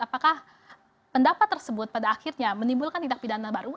apakah pendapat tersebut pada akhirnya menimbulkan tindak pidana baru